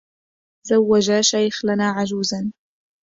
زوج شيخ لنا عجوزا